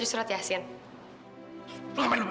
kalau ada masalah saya juga